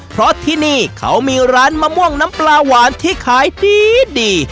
เพราะที่นี่เขามีร้านมะม่วงน้ำปลาหวานที่ขายดี